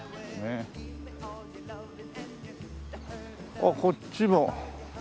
あっこっちも。